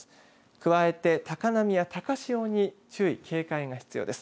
加えて高波や高潮に注意、警戒が必要です。